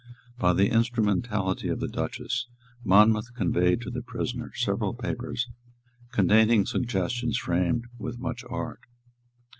By the instrumentality of the Duchess, Monmouth conveyed to the prisoner several papers containing suggestions framed with much art.